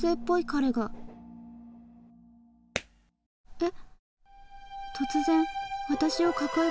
えっ。